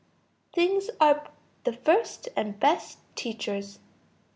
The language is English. Things are the first and best teachers.